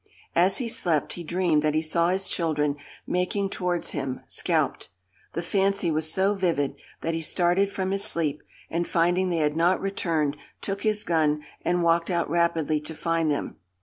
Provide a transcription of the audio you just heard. As he slept, he dreamed that he saw his children making towards him, scalped. The fancy was so vivid, that he started from his sleep, and, finding they had not returned, took his gun, and walked out rapidly to find them.